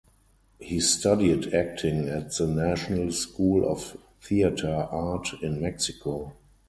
He studied acting at the National School of Theater Art in Mexico.